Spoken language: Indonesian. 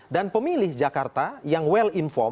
dan pemilih jakarta yang well inform